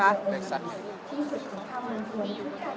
ราคาจำหน่าอยู่ที่สุด